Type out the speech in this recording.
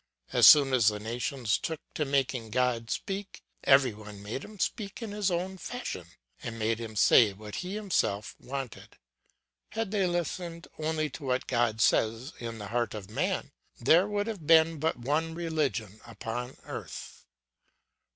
As soon as the nations took to making God speak, every one made him speak in his own fashion, and made him say what he himself wanted. Had they listened only to what God says in the heart of man, there would have been but one religion upon earth.